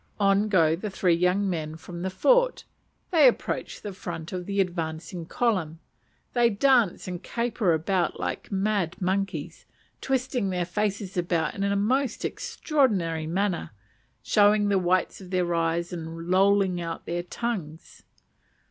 On go the three young men from the fort. They approach the front of the advancing column; they dance and caper about like mad monkeys, twisting their faces about in the most extraordinary manner, showing the whites of their eyes, and lolling out their tongues.